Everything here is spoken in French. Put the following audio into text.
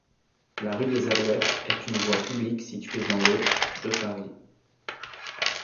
La rue des Alouettes est une voie publique située dans le de Paris.